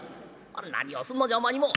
「何をすんのじゃホンマにもう。